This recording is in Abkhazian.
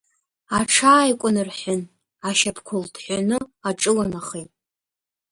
Аҽааикәанарҳәын, ашьапқәа лҭҳәаны аҿыланахеит.